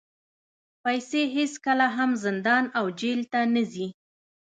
پیسې هېڅکله هم زندان او جېل ته نه ځي.